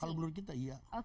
kalau menurut kita iya